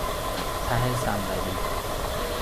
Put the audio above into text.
ته صندلی